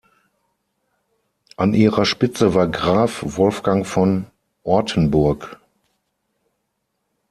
An ihrer Spitze war Graf Wolfgang von Ortenburg.